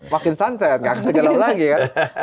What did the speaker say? makin sunset gak kecil lagi kan